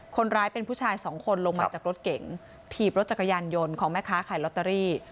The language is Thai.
คนร้ายเป็นผู้ชายสองคนลงมาจากรถเก๋งถีบรถจักรยานยนต์ของแม่ค้าขายลอตเตอรี่